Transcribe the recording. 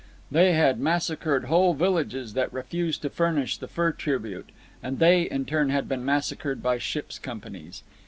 They had massacred whole villages that refused to furnish the fur tribute; and they, in turn, had been massacred by ships' companies.